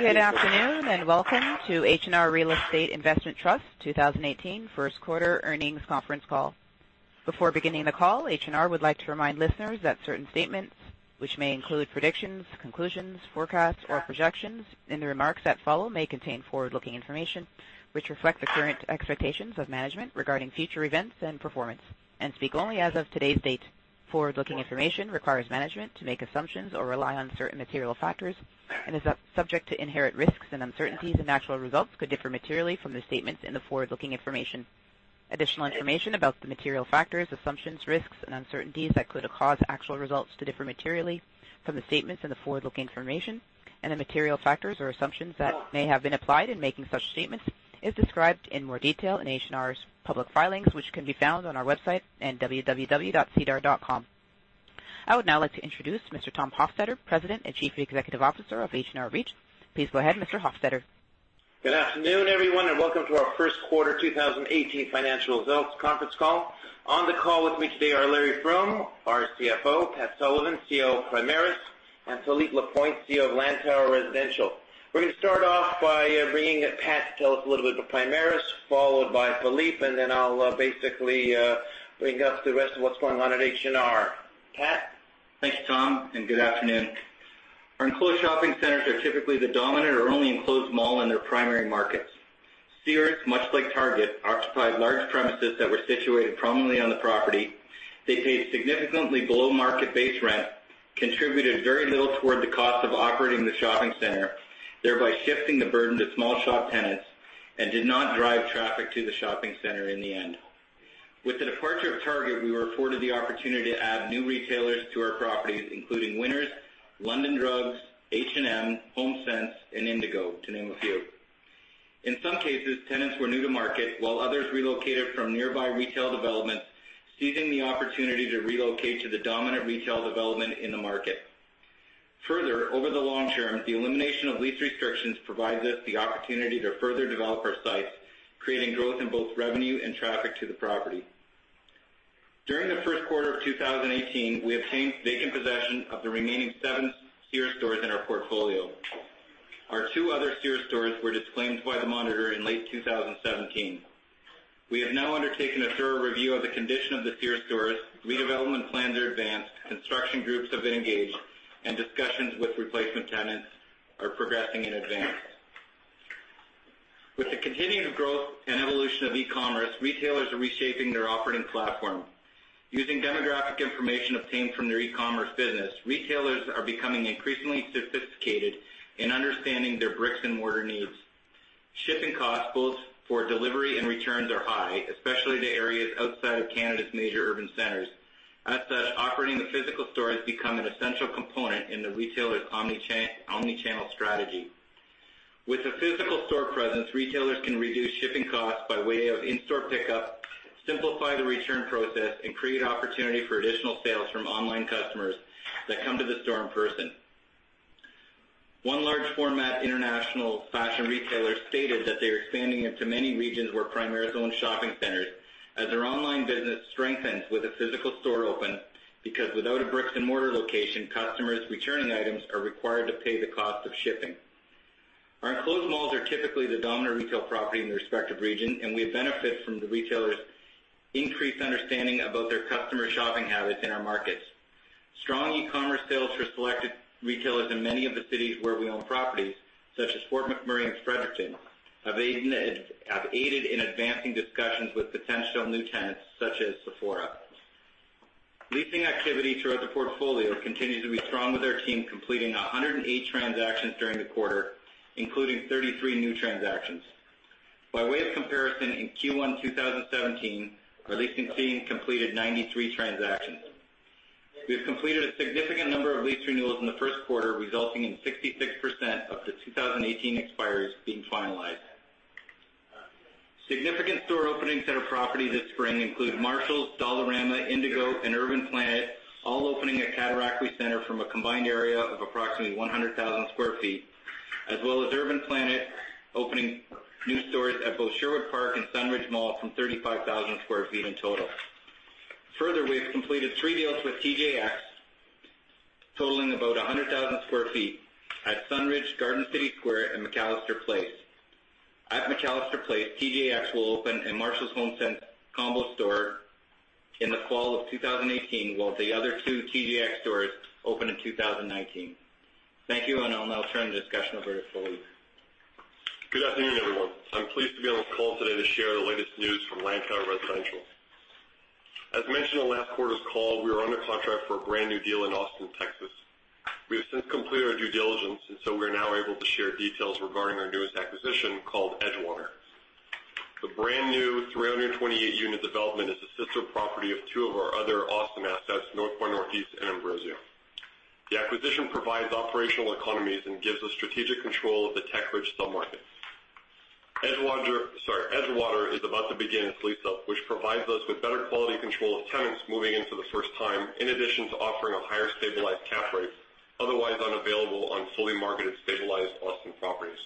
Good afternoon, welcome to H&R Real Estate Investment Trust 2018 first quarter earnings conference call. Before beginning the call, H&R would like to remind listeners that certain statements which may include predictions, conclusions, forecasts, or projections in the remarks that follow may contain forward-looking information which reflect the current expectations of management regarding future events and performance, speak only as of today's date. Forward-looking information requires management to make assumptions or rely on certain material factors and is subject to inherent risks and uncertainties, actual results could differ materially from the statements in the forward-looking information. Additional information about the material factors, assumptions, risks, and uncertainties that could cause actual results to differ materially from the statements and the forward-looking information, the material factors or assumptions that may have been applied in making such statements is described in more detail in H&R's public filings, which can be found on our website and sedar.com. I would now like to introduce Mr. Tom Hofstedter, President and Chief Executive Officer of H&R REIT. Please go ahead, Mr. Hofstedter. Good afternoon, everyone, welcome to our first quarter 2018 financial results conference call. On the call with me today are Larry Froom, our CFO, Patrick Sullivan, CEO of Primaris, and Philippe Lapointe, CEO of Lantower Residential. We're going to start off by bringing Pat to tell us a little bit about Primaris, followed by Philippe, then I'll basically bring up the rest of what's going on at H&R. Pat? Thanks, Tom, good afternoon. Our enclosed shopping centers are typically the dominant or only enclosed mall in their primary markets. Sears, much like Target, occupied large premises that were situated prominently on the property. They paid significantly below market base rent, contributed very little toward the cost of operating the shopping center, thereby shifting the burden to small shop tenants, did not drive traffic to the shopping center in the end. With the departure of Target, we were afforded the opportunity to add new retailers to our properties, including Winners, London Drugs, H&M, HomeSense, and Indigo, to name a few. In some cases, tenants were new to market, while others relocated from nearby retail developments, seizing the opportunity to relocate to the dominant retail development in the market. Further, over the long term, the elimination of lease restrictions provides us the opportunity to further develop our sites, creating growth in both revenue and traffic to the property. During the first quarter of 2018, we obtained vacant possession of the remaining seven Sears stores in our portfolio. Our two other Sears stores were disclaimed by the monitor in late 2017. We have now undertaken a thorough review of the condition of the Sears stores, redevelopment plans are advanced, construction groups have been engaged, and discussions with replacement tenants are progressing in advance. With the continuing growth and evolution of e-commerce, retailers are reshaping their operating platform. Using demographic information obtained from their e-commerce business, retailers are becoming increasingly sophisticated in understanding their bricks and mortar needs. Shipping costs, both for delivery and returns, are high, especially to areas outside of Canada's major urban centers. As such, operating the physical store has become an essential component in the retailer's omni-channel strategy. With a physical store presence, retailers can reduce shipping costs by way of in-store pickup, simplify the return process, and create opportunity for additional sales from online customers that come to the store in person. One large format international fashion retailer stated that they're expanding into many regions where Primaris owns shopping centers as their online business strengthens with a physical store open, because without a bricks-and-mortar location, customers returning items are required to pay the cost of shipping. Our enclosed malls are typically the dominant retail property in their respective region, and we benefit from the retailers' increased understanding about their customers' shopping habits in our markets. Strong e-commerce sales for selected retailers in many of the cities where we own properties, such as Fort McMurray and Fredericton, have aided in advancing discussions with potential new tenants such as Sephora. Leasing activity throughout the portfolio continues to be strong with our team completing 108 transactions during the quarter, including 33 new transactions. By way of comparison, in Q1 2017, our leasing team completed 93 transactions. We have completed a significant number of lease renewals in the first quarter, resulting in 66% of the 2018 expires being finalized. Significant store openings at our properties this spring include Marshalls, Dollarama, Indigo, and Urban Planet, all opening at Cataraqui Centre from a combined area of approximately 100,000 sq ft, as well as Urban Planet opening new stores at both Sherwood Park and Sunridge Mall from 35,000 sq ft in total. Further, we have completed three deals with TJX totaling about 100,000 sq ft at Sunridge, Garden City Shopping Centre, and McAllister Place. At McAllister Place, TJX will open a Marshalls HomeSense combo store in the fall of 2018, while the other two TJX stores open in 2019. Thank you, and I'll now turn the discussion over to Philippe. Good afternoon, everyone. I'm pleased to be on this call today to share the latest news from Lantower Residential. As mentioned on last quarter's call, we were under contract for a brand-new deal in Austin, Texas. We have since completed our due diligence, so we are now able to share details regarding our newest acquisition called Edgewater. The brand-new 328-unit development is a sister property of two of our other Austin assets, Northpoint Northeast and Ambrosio. The acquisition provides operational economies and gives us strategic control of the Tech Ridge submarket. Edgewater is about to begin its lease-up, which provides us with better quality control of tenants moving in for the first time, in addition to offering a higher stabilized cap rate, otherwise unavailable on fully marketed stabilized Austin properties.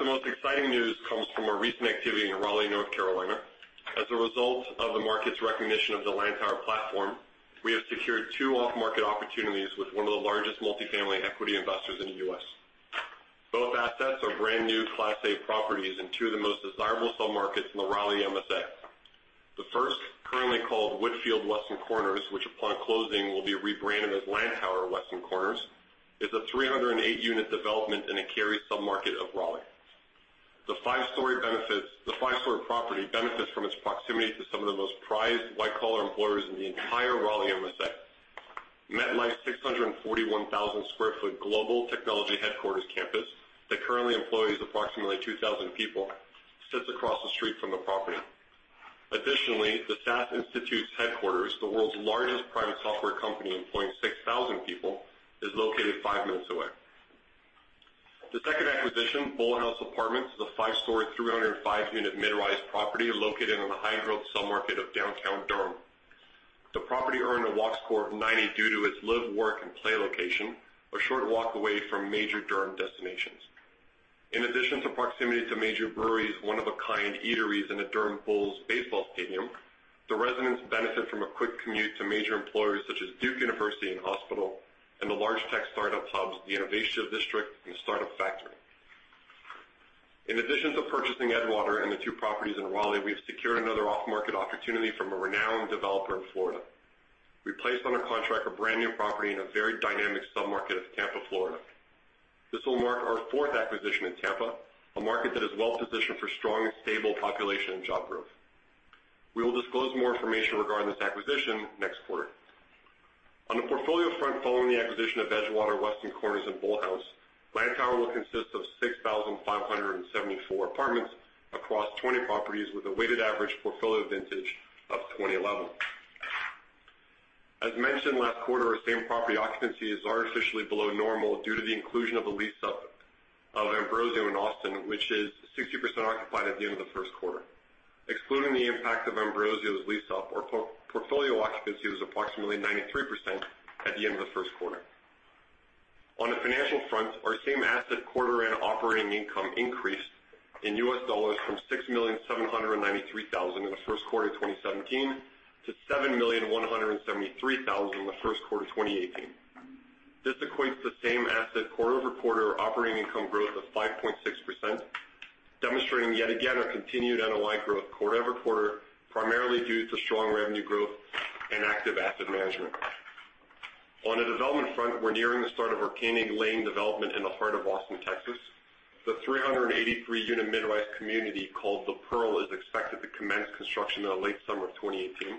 The most exciting news comes from our recent activity in Raleigh, North Carolina. As a result of the market's recognition of the Lantower platform, we have secured two off-market opportunities with one of the largest multifamily equity investors in the U.S. Both assets are brand-new Class A properties in two of the most desirable submarkets in the Raleigh MSA. The first, currently called Woodfield Weston Corners, which upon closing will be rebranded as Lantower Weston Corners, is a 308-unit development in a Cary submarket of Raleigh. The five-story property benefits from its proximity to some of the most prized white-collar employers in the entire Raleigh MSA. MetLife's 641,000 sq ft global technology headquarters campus, that currently employs approximately 2,000 people, sits across the street from the property. Additionally, the SAS Institute's headquarters, the world's largest private software company, employing 6,000 people, is located five minutes away. The second acquisition, Bullhouse Apartments, is a five-story, 305-unit mid-rise property located in the high-growth submarket of downtown Durham. The property earned a walk score of 90 due to its live, work, and play location, a short walk away from major Durham destinations. In addition to proximity to major breweries, one-of-a-kind eateries, and the Durham Bulls baseball stadium, the residents benefit from a quick commute to major employers such as Duke University and Hospital, and the large tech startup hubs, the Innovation District and Startup Factory. In addition to purchasing Edgewater and the two properties in Raleigh, we've secured another off-market opportunity from a renowned developer in Florida. We placed under contract a brand-new property in a very dynamic submarket of Tampa, Florida. This will mark our fourth acquisition in Tampa, a market that is well-positioned for strong and stable population and job growth. We will disclose more information regarding this acquisition next quarter. On the portfolio front, following the acquisition of Edgewater, Weston Corners, and Bullhouse, Lantower will consist of 6,574 apartments across 20 properties with a weighted average portfolio vintage of 2011. As mentioned last quarter, our same-property occupancy is artificially below normal due to the inclusion of the lease-up of Ambrosio in Austin, which is 60% occupied at the end of the first quarter. Excluding the impact of Ambrosio's lease-up, our portfolio occupancy was approximately 93% at the end of the first quarter. On the financial front, our same asset quarter and operating income increased in US dollars from $6,793,000 in the first quarter of 2017 to $7,173,000 in the first quarter 2018. This equates the same asset quarter-over-quarter operating income growth of 5.6%, demonstrating yet again our continued NOI growth quarter-over-quarter, primarily due to strong revenue growth and active asset management. On the development front, we're nearing the start of our Caning Lane development in the heart of Austin, Texas. The 383-unit mid-rise community called The Pearl is expected to commence construction in the late summer of 2018.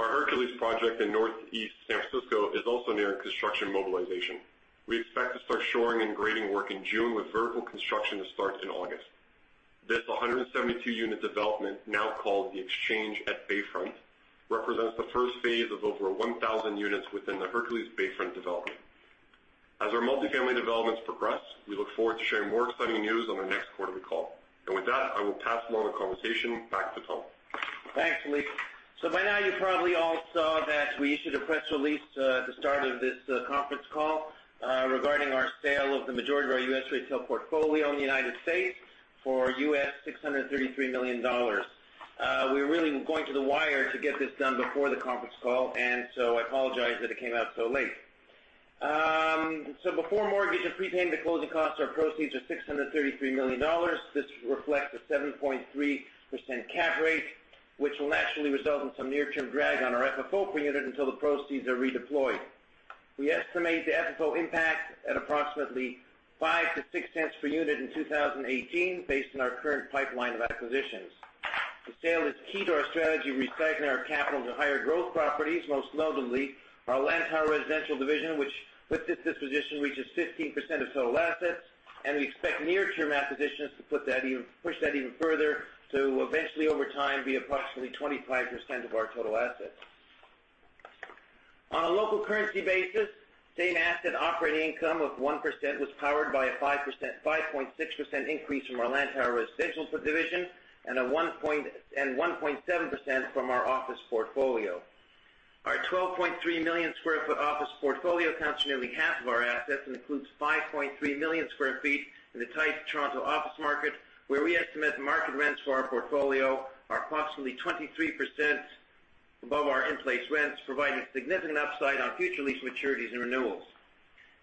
Our Hercules project in Northeast San Francisco is also nearing construction mobilization. We expect to start shoring and grading work in June with vertical construction to start in August. This 172-unit development, now called The Exchange at Bayfront, represents the first phase of over 1,000 units within the Hercules Bayfront development. As our multifamily developments progress, we look forward to sharing more exciting news on our next quarterly call. With that, I will pass along the conversation back to Tom. Thanks, Philippe. By now you probably all saw that we issued a press release at the start of this conference call regarding our sale of the majority of our U.S. retail portfolio in the United States for US $633 million. We're really going to the wire to get this done before the conference call. I apologize that it came out so late. Before mortgage and prepayment of closing costs, our proceeds are 633 million dollars. This reflects a 7.3% cap rate, which will naturally result in some near-term drag on our FFO per unit until the proceeds are redeployed. We estimate the FFO impact at approximately 0.05-0.06 per unit in 2018 based on our current pipeline of acquisitions. The sale is key to our strategy of recycling our capital into higher growth properties, most notably our Lantower residential division, which with this disposition reaches 15% of total assets. We expect near-term acquisitions to push that even further to eventually over time be approximately 25% of our total assets. On a local currency basis, same asset operating income of 1% was powered by a 5.6% increase from our Lantower residential division and 1.7% from our office portfolio. Our 12.3 million sq ft office portfolio accounts for nearly half of our assets and includes 5.3 million sq ft in the tight Toronto office market, where we estimate market rents for our portfolio are approximately 23% above our in-place rents, providing significant upside on future lease maturities and renewals.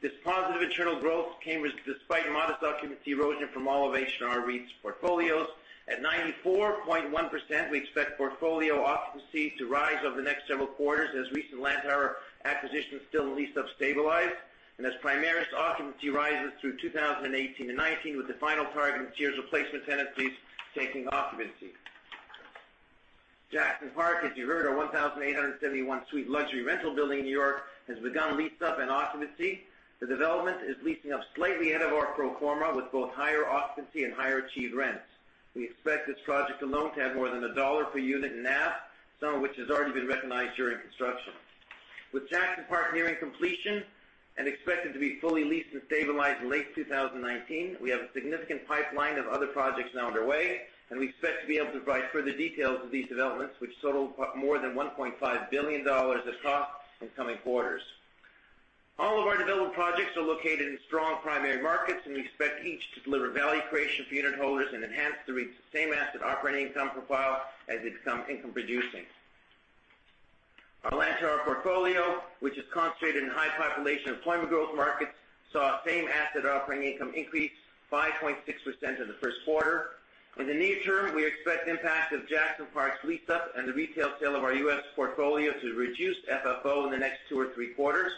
This positive internal growth came despite modest occupancy erosion from all of H&R REIT's portfolios. At 94.1%, we expect portfolio occupancy to rise over the next several quarters as recent Lantower acquisitions still lease up stabilize, and as Primaris occupancy rises through 2018 and 2019 with the final target of tiers replacement tenancies taking occupancy. Jackson Park, as you heard, our 1,871-suite luxury rental building in New York, has begun lease-up and occupancy. The development is leasing up slightly ahead of our pro forma with both higher occupancy and higher achieved rents. We expect this project alone to add more than CAD 1 per unit NAV, some of which has already been recognized during construction. With Jackson Park nearing completion and expected to be fully leased and stabilized in late 2019, we have a significant pipeline of other projects now underway. We expect to be able to provide further details of these developments, which total more than 1.5 billion dollars of cost in coming quarters. All of our development projects are located in strong primary markets, and we expect each to deliver value creation for unitholders and enhance the REIT's same asset operating income profile as it becomes income producing. Our Lantower portfolio, which is concentrated in high population employment growth markets, saw same asset operating income increase 5.6% in the first quarter. In the near term, we expect impact of Jackson Park's lease-up and the retail sale of our U.S. portfolio to reduce FFO in the next two or three quarters,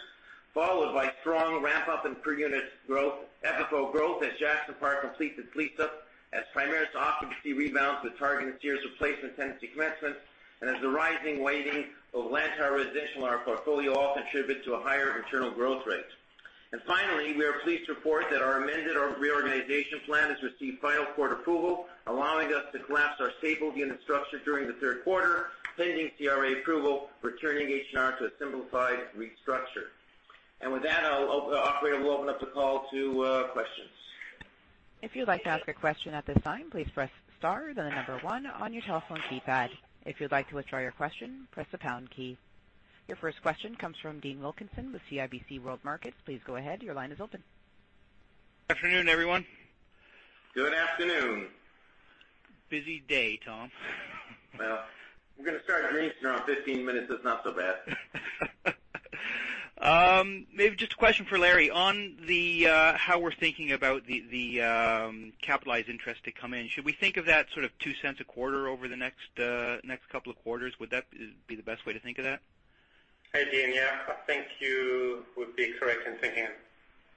followed by strong ramp-up in per unit FFO growth as Jackson Park completes its lease-up, as Primaris occupancy rebounds with targeted Sears replacement tenancy commencement, and as the rising weighting of Lantower Residential in our portfolio all contribute to a higher internal growth rate. Finally, we are pleased to report that our amended reorganization plan has received final court approval, allowing us to collapse our stable unit structure during the third quarter, pending CRA approval, returning H&R to a simplified restructure. With that, operator, we'll open up the call to questions. If you'd like to ask a question at this time, please press star, then the number one on your telephone keypad. If you'd like to withdraw your question, press the pound key. Your first question comes from Dean Wilkinson with CIBC World Markets. Please go ahead. Your line is open. Good afternoon, everyone. Good afternoon. Busy day, Tom. Well, we're going to start drinks here in 15 minutes. It's not so bad. Maybe just a question for Larry on how we're thinking about the capitalized interest to come in. Should we think of that sort of 0.02 a quarter over the next couple of quarters? Would that be the best way to think of that? Hey, Dean. Yeah, I think you would be correct in thinking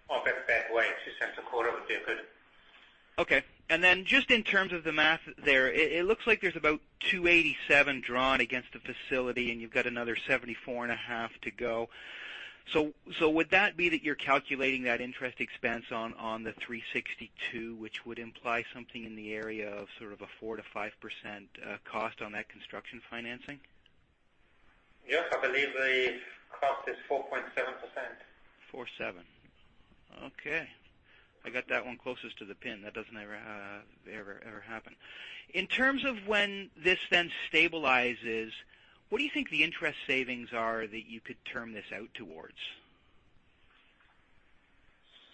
of it that way. CAD 0.02 a quarter would be a good Then just in terms of the math there, it looks like there's about 287 drawn against the facility, and you've got another 74.5 to go. Would that be that you're calculating that interest expense on the 362, which would imply something in the area of sort of a 4%-5% cost on that construction financing? Yes, I believe the cost is 4.7%. 4.7. Okay. I got that one closest to the pin. That doesn't ever happen. In terms of when this then stabilizes, what do you think the interest savings are that you could term this out towards?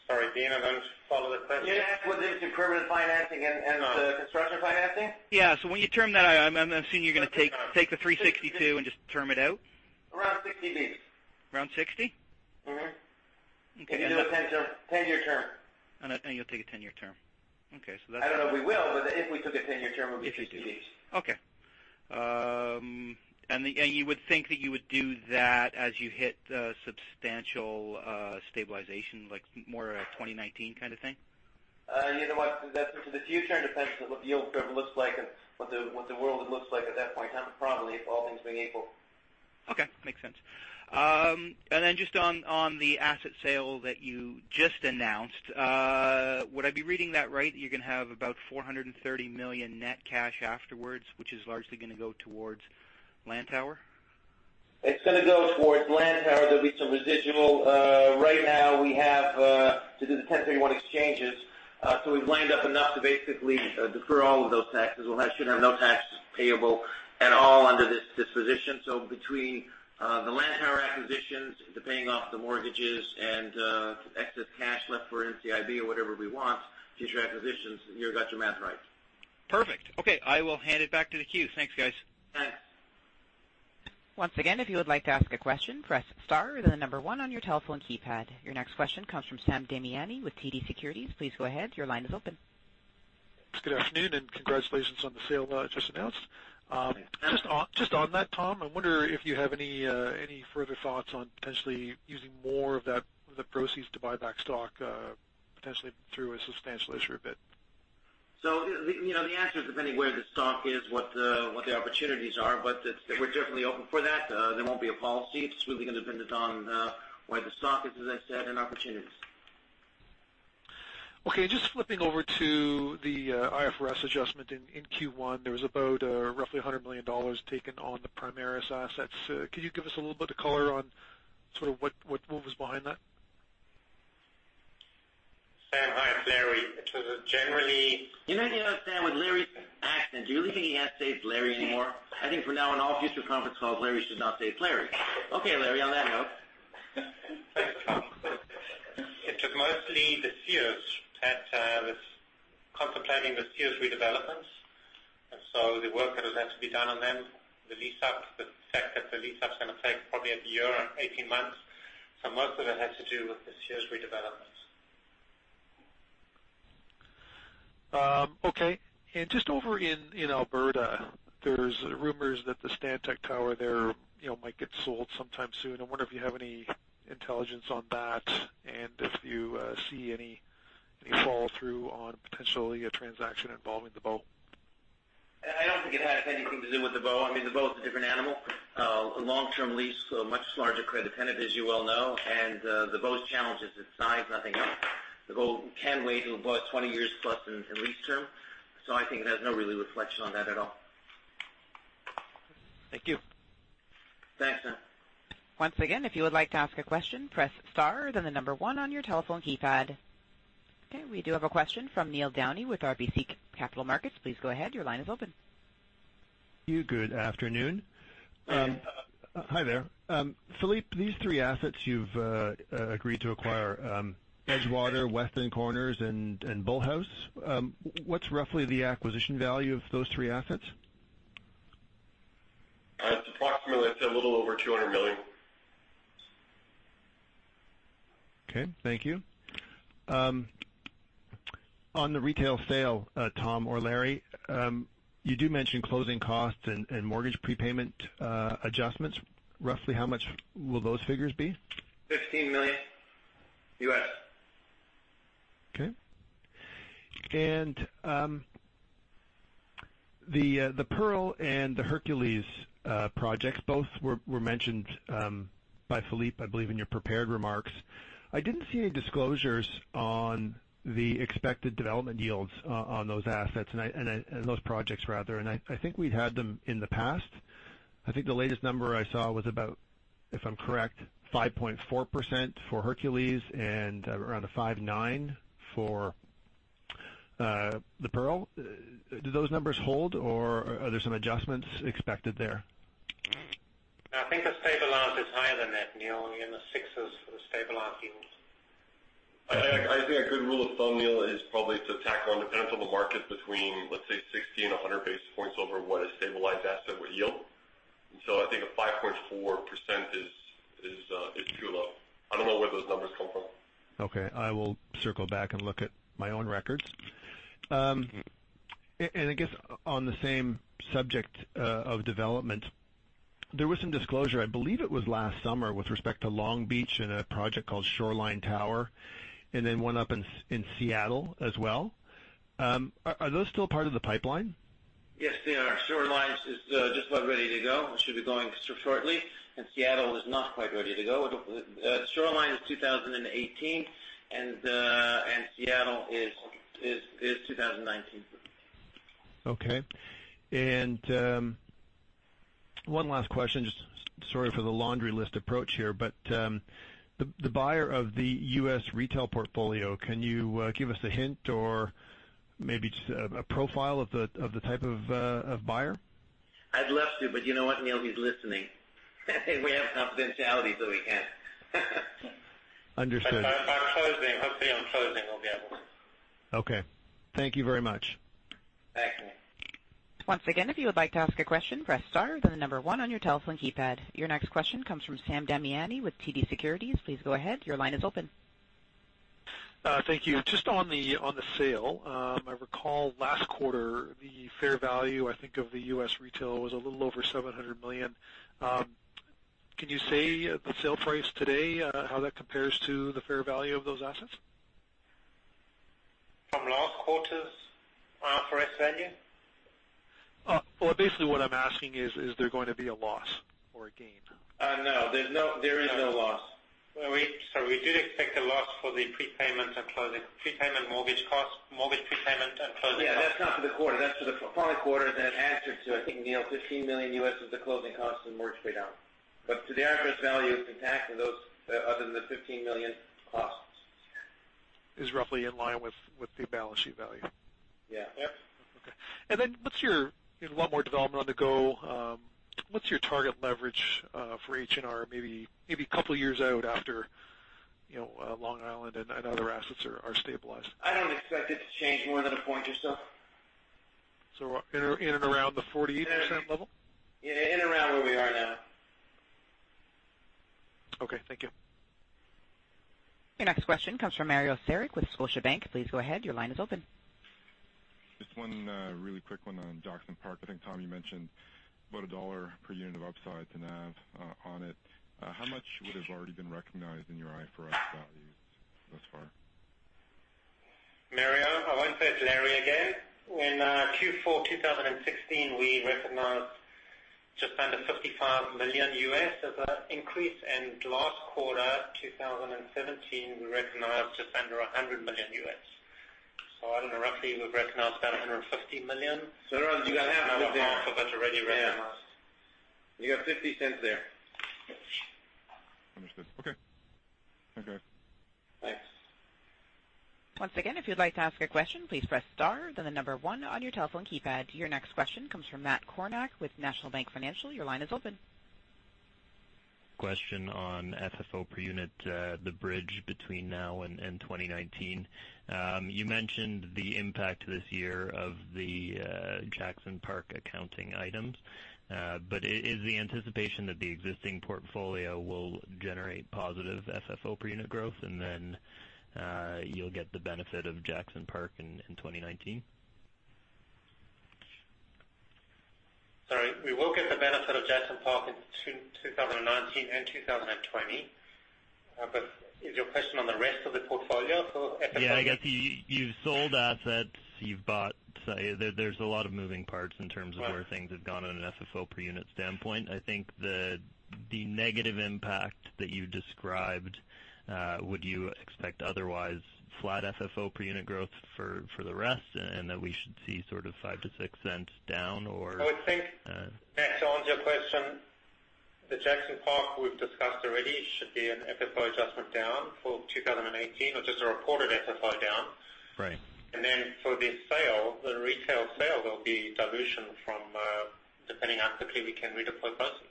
Sorry, Dean, I didn't follow the question. You're asking with the permanent financing and the construction financing? Yeah. When you term that out, I'm assuming you're going to take the 362 and just term it out. Around 60 basis points. Around 60? Mm-hmm. If we do a 10-year term. You'll take a 10-year term. Okay. I don't know if we will, but if we took a 10-year term, it would be 60 bps. Okay. You would think that you would do that as you hit substantial stabilization, like more a 2019 kind of thing? You know what? That's into the future. It depends on what the yield curve looks like and what the world looks like at that point in time. Probably, if all things being equal. Okay. Makes sense. Just on the asset sale that you just announced, would I be reading that right? You're going to have about 430 million net cash afterwards, which is largely going to go towards Lantower? It's going to go towards Lantower. There'll be some residual. Right now, we have to do the 1031 exchanges. We've lined up enough to basically defer all of those taxes. We should have no taxes payable at all under this disposition. Between the Lantower acquisitions, the paying off the mortgages, and excess cash left for NCIB or whatever we want, future acquisitions, you got your math right. Perfect. Okay. I will hand it back to the queue. Thanks, guys. Thanks. Once again, if you would like to ask a question, press star, then the number one on your telephone keypad. Your next question comes from Sam Damiani with TD Securities. Please go ahead. Your line is open. Good afternoon. Congratulations on the sale just announced. Thank you. Just on that, Tom, I wonder if you have any further thoughts on potentially using more of that, the proceeds to buy back stock, potentially through a substantial issue or bid? The answer is depending where the stock is, what the opportunities are, but we're definitely open for that. There won't be a policy. It's really going to depend on where the stock is, as I said, and opportunities. Okay, just flipping over to the IFRS adjustment in Q1, there was about roughly 100 million dollars taken on the Primaris assets. Could you give us a little bit of color on sort of what move was behind that? Sam, hi, it's Larry. It was generally. You know what I think it is, Sam, with Larry's accent, do you really think he has to say it's Larry anymore? I think from now on future conference calls, Larry should not say it's Larry. Okay, Larry, on that note. Thanks, Tom. It was mostly the Sears that was contemplating the Sears redevelopment, and so the work that has had to be done on them, the lease-up, the fact that the lease-up's going to take probably a year or 18 months. Most of it has to do with the Sears redevelopment. Okay. Just over in Alberta, there's rumors that the Stantec Tower there might get sold sometime soon. I wonder if you have any intelligence on that and if you see any follow-through on potentially a transaction involving The Bow. I do not think it has anything to do with The Bow. I mean, The Bow is a different animal. A long-term lease, so a much larger credit tenant, as you well know. The Bow's challenge is its size, nothing else. The Bow can wait. It has about 20 years plus in lease term. I think it has no real reflection on that at all. Thank you. Thanks, Sam. Once again, if you would like to ask a question, press star, then the number one on your telephone keypad. Okay, we do have a question from Neil Downey with RBC Capital Markets. Please go ahead. Your line is open. Thank you. Good afternoon. And- Hi there. Philippe, these three assets you've agreed to acquire, Edgewater, Weston Corners, and Bullhouse. What's roughly the acquisition value of those three assets? It's approximately, I'd say a little over 200 million. Okay, thank you. On the retail sale, Tom or Larry, you do mention closing costs and mortgage prepayment adjustments. Roughly how much will those figures be? It's $15 million U.S. Okay. The Pearl and the Hercules projects both were mentioned by Philippe, I believe, in your prepared remarks. I did not see any disclosures on the expected development yields on those assets, and those projects rather, I think we have had them in the past. I think the latest number I saw was about, if I'm correct, 5.4% for Hercules and around a 5.9% for The Pearl. Do those numbers hold, or are there some adjustments expected there? I think the stabilized is higher than that, Neil, in the sixes for the stabilized yields. I think a good rule of thumb, Neil, is probably to tack on, depends on the market between, let's say, 60 and 100 basis points over what a stabilized asset would yield. I think a 5.4% is too low. I don't know where those numbers come from. Okay. I will circle back and look at my own records. I guess on the same subject of development, there was some disclosure, I believe it was last summer with respect to Long Beach and a project called Shoreline Tower, then one up in Seattle as well. Are those still part of the pipeline? Yes, they are. Shoreline's is just about ready to go, it should be going shortly. Seattle is not quite ready to go. Shoreline is 2018, and Seattle is 2019. Okay. One last question, just sorry for the laundry list approach here, the buyer of the U.S. retail portfolio, can you give us a hint or maybe just a profile of the type of buyer? I'd love to, you know what, Neil? He's listening. We have confidentiality, we can't. Understood. By closing, hopefully on closing, we'll be able to. Okay. Thank you very much. Thanks, Neil. Once again, if you would like to ask a question, press star, then the number one on your telephone keypad. Your next question comes from Sam Damiani with TD Securities. Please go ahead. Your line is open. Thank you. Just on the sale. I recall last quarter the fair value, I think, of the U.S. retail was a little over $700 million. Can you say the sale price today, how that compares to the fair value of those assets? From last quarter's fair value? Well, basically what I'm asking is there going to be a loss or a gain? No, there is no loss. Sorry, we did expect a loss for the prepayment and closing. Prepayment mortgage cost, mortgage prepayment, and closing costs. Yeah, that's not for the quarter. That's for the following quarter. Added to, I think, Neil, $15 million U.S. is the closing cost and mortgage prepayment. To the accurate value, it's intact other than the $15 million costs. Is roughly in line with the balance sheet value. Yeah. Yep. Okay. You've a lot more development on the go, what's your target leverage for H&R maybe couple years out after Long Island and other assets are stabilized? I don't expect it to change more than a point or so. In and around the 48% level? Yeah. In and around where we are now. Okay, thank you. Your next question comes from Mario Saric with Scotiabank. Please go ahead. Your line is open. One really quick one on Jackson Park. I think, Tom, you mentioned about $1 per unit of upside to NAV on it. How much would have already been recognized in your IFRS values thus far? Mario, I won't say it to Larry again. In Q4 2016, we recognized just under $55 million U.S. as an increase, and last quarter, 2017, we recognized just under $100 million U.S. I don't know, roughly we've recognized about $150 million. Around $0.50. For that's already recognized. Yeah. You got 0.50 there. Understood. Okay. Thanks. Thanks. Once again, if you'd like to ask a question, please press star then the number one on your telephone keypad. Your next question comes from Matt Kornack with National Bank Financial. Your line is open. Question on FFO per unit, the bridge between now and 2019. You mentioned the impact this year of the Jackson Park accounting items. Is the anticipation that the existing portfolio will generate positive FFO per unit growth, and then you'll get the benefit of Jackson Park in 2019? Sorry. We will get the benefit of Jackson Park in 2019 and 2020. Is your question on the rest of the portfolio for FFO? Yeah, I guess you've sold assets, you've bought. There's a lot of moving parts in terms of- Right where things have gone on an FFO per unit standpoint. I think the negative impact that you described, would you expect otherwise flat FFO per unit growth for the rest, and that we should see sort of 0.05 to 0.06 down or- I would think, Matt, to answer your question, the Jackson Park we've discussed already should be an FFO adjustment down for 2018, or just a reported FFO down. Right. For the sale, the retail sale, there'll be dilution from, depending how quickly we can redeploy those units.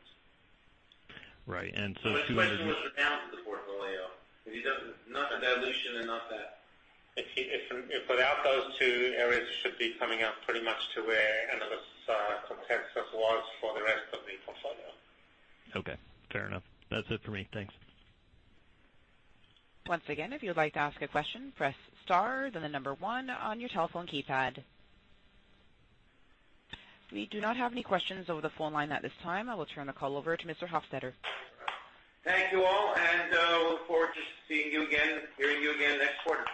Right. The question was around the portfolio. Not a dilution and not that. Without those two areas should be coming up pretty much to where analyst consensus was for the rest of the portfolio. Okay. Fair enough. That's it for me. Thanks. Once again, if you'd like to ask a question, press star then the number one on your telephone keypad. We do not have any questions over the phone line at this time. I will turn the call over to Mr. Hofstedter. Thank you all. Look forward to seeing you again, hearing you again next quarter.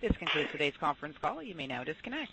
This concludes today's conference call. You may now disconnect.